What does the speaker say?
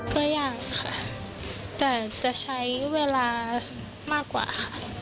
ตัวอย่างค่ะแต่จะใช้เวลามากกว่าค่ะ